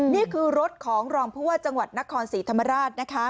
นี่คือรถของรองพวะจังหวัดนครศรีธรรมราช